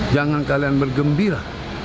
jangan kalian bergembira